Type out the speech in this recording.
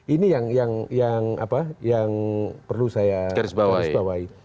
ini yang perlu saya garisbawahi